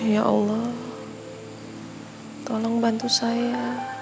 ya allah tolong bantu saya